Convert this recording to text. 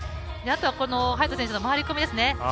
あとは、早田選手の回り込みです。